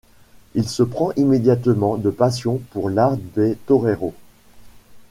Il se prend immédiatement de passion pour l'art des toreros.